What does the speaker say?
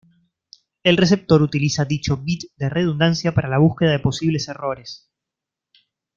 El receptor utiliza dicho bit de redundancia para la búsqueda de posibles errores.